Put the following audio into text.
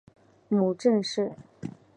母郑氏。